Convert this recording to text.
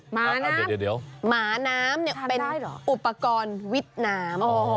หมาน้ำหมาน้ำเป็นอุปกรณ์วิดน้ำ